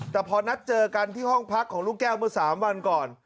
แต่พอนัดเจอกันที่ห้องพักของลูกแก้วเมื่อ๓วันก่อน